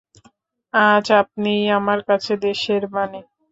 আজ আপনিই আমার কাছে দেশের বাণী।